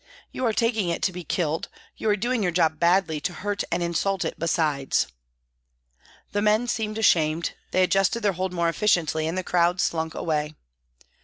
You are taking it to be killed, you are doing your job badly to hurt and insult it besides." The men seemed ashamed, they adjusted their hold more efficiently and the crowd slunk away.